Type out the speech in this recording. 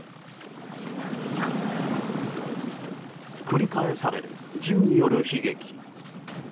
繰り返される銃による悲劇。